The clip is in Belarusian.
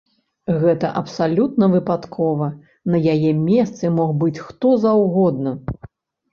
Гэта абсалютна выпадкова, на яе месцы мог быць хто заўгодна.